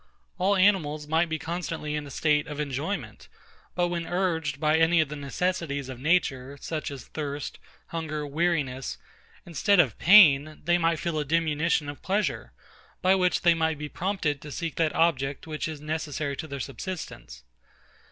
All animals might be constantly in a state of enjoyment: but when urged by any of the necessities of nature, such as thirst, hunger, weariness; instead of pain, they might feel a diminution of pleasure, by which they might be prompted to seek that object which is necessary to their subsistence.